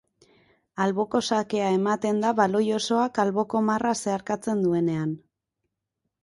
Alboko sakea ematen da baloi osoak alboko marra zeharkatzen duenean.